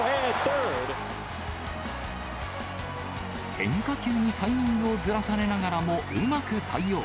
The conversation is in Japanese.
変化球にタイミングをずらされながらも、うまく対応。